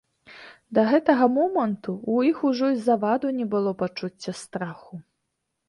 Да гэтага моманту ў іх ужо і заваду не было пачуцця страху.